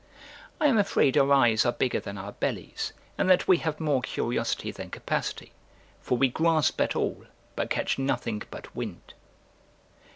I am afraid our eyes are bigger than our bellies, and that we have more curiosity than capacity; for we grasp at all, but catch nothing but wind.